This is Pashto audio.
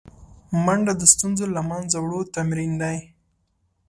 منډه د ستونزو له منځه وړو تمرین دی